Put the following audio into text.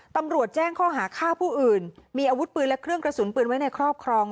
ตำรวจแจ้งข้อหาฆ่าผู้อื่นมีอาวุธปืนและเครื่องกระสุนปืนไว้ในครอบครอง